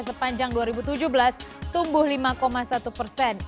sepanjang dua ribu tujuh belas tumbuh lima satu persen